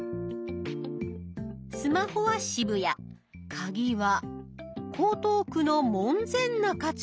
スマホは渋谷カギは江東区の門前仲町。